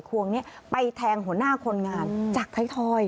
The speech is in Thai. ด้วยการเอาไขควงนี้ไปแทงหัวหน้าคนงานจากไทยทอย